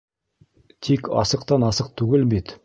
Тик асыҡтан-асыҡ түгел бит.